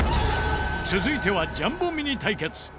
続いてはジャンボミニ対決。